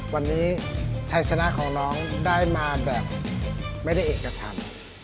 วันนี้ชัยชนะของน้องได้มาแบบไม่ได้เอกชัน